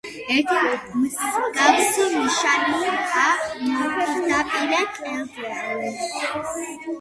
ერთი, მსგავსი ნიშა მოპირდაპირე კედელშიცაა.